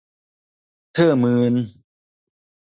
เธอลื่น